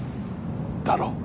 だろ？